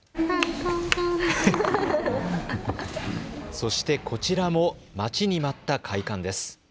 そしてこちらも待ちに待った開館です。